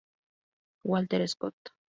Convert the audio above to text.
Walter Scott.